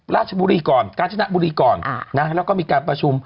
ราชบุรีก่อนกาญจนบุรีก่อนนะแล้วก็มีการประชุม